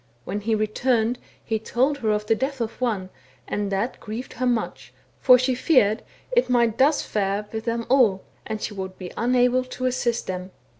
When he returned he told her of the death of one, and that grieved her much, for she feared it might fare thus with them all, and she would be unable to assist them.